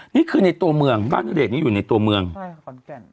นี่คือในตัวเมืองบ้านเรกนี้อยู่ในตัวเมืองขอนแก่น